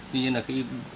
tuy nhiên là khi